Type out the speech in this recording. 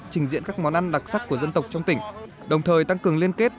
trình diễn các món ăn đặc sắc của dân tộc trong tỉnh đồng thời tăng cường liên kết